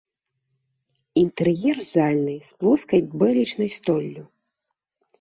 Інтэр'ер зальны з плоскай бэлечнай столлю.